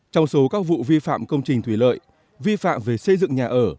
trong số các vụ vi phạm công trình thủy lợi vi phạm về xây dựng nhà ở